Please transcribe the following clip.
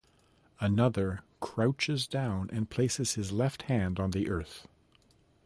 Another crouches down and places his left hand on the earth.